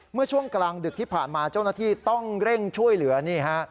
เมื่อช่วงกลางดึกที่ผ่านมาเจ้าหน้าที่ต้องเร่งช่วยเหลือนี่ฮะ